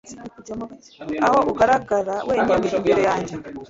aho ugaragara wenyine imbere yanjye